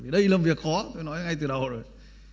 đây là việc khó tôi nói ngay từ đầu rồi